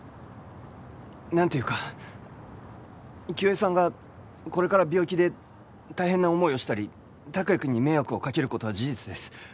なんていうか清江さんがこれから病気で大変な思いをしたり託也くんに迷惑をかける事は事実です。